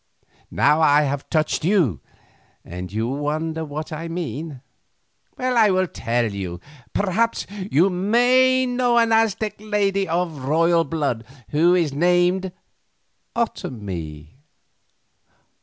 Now I have touched you and you wonder what I mean. Well, I will tell you. Perhaps you may know an Aztec lady of royal blood who is named Otomie?"